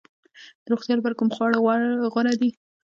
د روغتیا لپاره کوم خواړه غوره دي؟